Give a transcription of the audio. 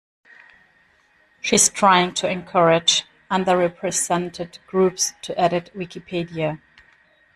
She's trying to encourage underrepresented groups to edit Wikipedia